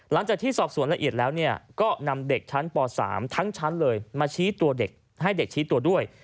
หลังจากที่สอบสวนละเอียดแล้วก็นำเด็กชั้นป๓ทั้งชั้นเลยมาชี้ตัวเด็กให้เด็กชี้ตัวด้วย